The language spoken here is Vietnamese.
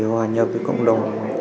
hòa nhập với cộng đồng